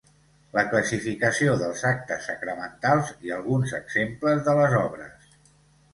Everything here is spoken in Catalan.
La classificació dels actes sacramentals i alguns exemples de les obres.